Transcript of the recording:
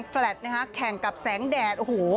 แฟลตข้างกลับแสงแดดโอ้โห